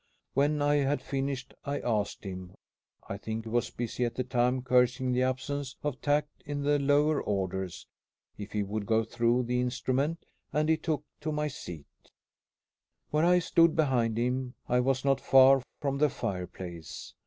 When I had finished, I asked him I think he was busy at the time cursing the absence of tact in the lower orders if he would go through the instrument; and he took my seat. Where I stood behind him, I was not far from the fireplace.